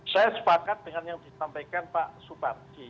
saya sepakat dengan yang disampaikan pak suparji